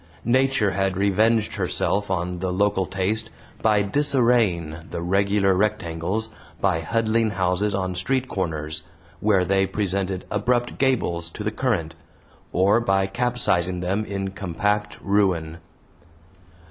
Nature had revenged herself on the local taste by disarraying the regular rectangles by huddling houses on street corners, where they presented abrupt gables to the current, or by capsizing them in compact ruin.